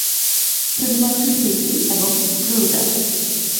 শুধুমাত্র শিল্পী এবং ক্রু রা।